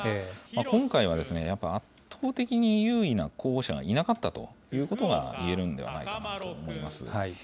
今回は、やっぱり圧倒的に優位な候補者がいなかったということがいえるんではないかなと思います。